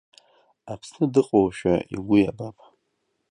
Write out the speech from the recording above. Аԥсны дыҟоушәа игәы иабап.